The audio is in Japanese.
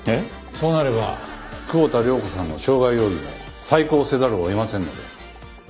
そうなれば久保田涼子さんの傷害容疑も再考せざるを得ませんので。